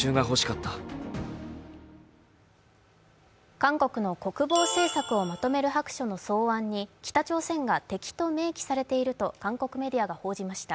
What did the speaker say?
韓国の国防政策をまとめる白書の草案に北朝鮮が敵と明記されていると韓国メディアが報じました。